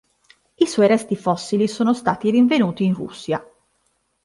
I suoi resti fossili sono stati rinvenuti in Russia.